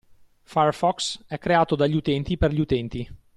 Firefox è creato dagli utenti per gli utenti.